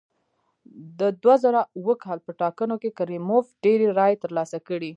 د دوه زره اووه کال په ټاکنو کې کریموف ډېرې رایې ترلاسه کړې.